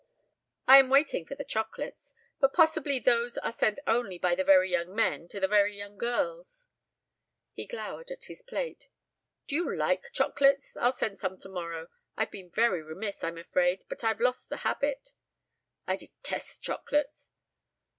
"I am waiting for the chocolates but possibly those are sent only by the very young men to the very young girls." He glowered at his plate. "Do you like chocolates? I'll send some tomorrow. I've been very remiss, I'm afraid, but I've lost the habit." "I detest chocolates."